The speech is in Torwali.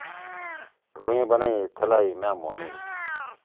ڙُوئں بنَئی: ”تھلا ئی مأ مونیِن“۔